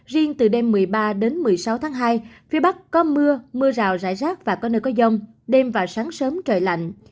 riêng từ đêm một mươi ba đến một mươi sáu tháng hai phía bắc có mưa mưa rào rải rác và có nơi có dông đêm và sáng sớm trời lạnh